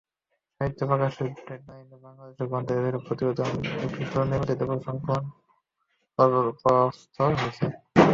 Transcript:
সাহিত্য প্রকাশের ডেটলাইন বাংলাদেশ গ্রন্থে সেসব প্রতিবেদনের একটি সুনির্বাচিত সংকলন পত্রস্থ হয়েছে।